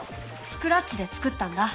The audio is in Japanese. スクラッチでつくったんだ。